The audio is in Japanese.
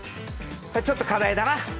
ちょっと課題だな。